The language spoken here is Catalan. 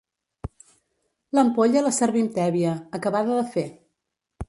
L'ampolla la servim tèbia, acabada de fer.